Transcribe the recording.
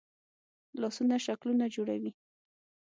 لاسونه شکلونه جوړوي